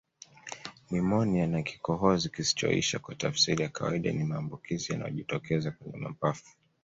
Nimonia na kikohozi kisichoisha kwa tafsiri ya kawaida ni maambukizi yanayojitokeza kwenye mapafu